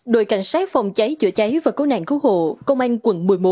đội cảnh sát phòng cháy chữa cháy và cứu nạn cứu hộ công an quận một mươi một